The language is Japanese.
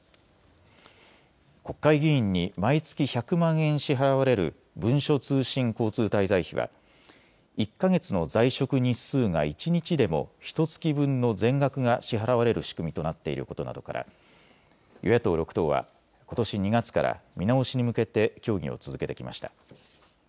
国会議員に毎月１００万円支払われる文書通信交通滞在費は１か月の在職日数が１日でもひとつき分の全額が支払われる仕組みとなっていることなどから与野党６党はことし２月から見直しに向けて協議を続けてきました。